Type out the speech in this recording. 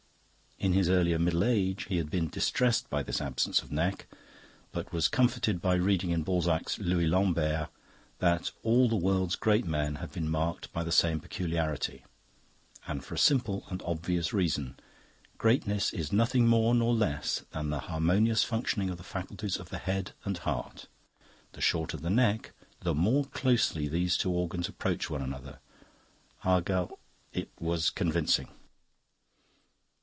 In his earlier middle age he had been distressed by this absence of neck, but was comforted by reading in Balzac's "Louis Lambert" that all the world's great men have been marked by the same peculiarity, and for a simple and obvious reason: Greatness is nothing more nor less than the harmonious functioning of the faculties of the head and heart; the shorter the neck, the more closely these two organs approach one another; argal...It was convincing.